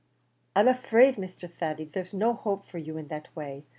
"I'm afraid, Mr. Thady, there's no hopes for you in that way.